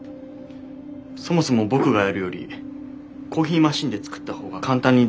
そもそも僕がやるよりコーヒーマシンで作った方が簡単に。